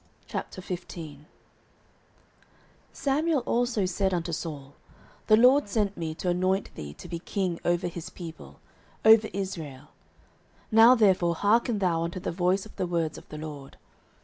09:015:001 Samuel also said unto Saul, The LORD sent me to anoint thee to be king over his people, over Israel: now therefore hearken thou unto the voice of the words of the LORD.